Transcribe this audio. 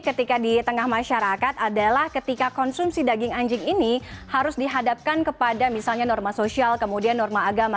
ketika di tengah masyarakat adalah ketika konsumsi daging anjing ini harus dihadapkan kepada misalnya norma sosial kemudian norma agama